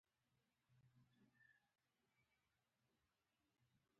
پل ته نږدې شوي و، اسمان وریځو پټ کړی و.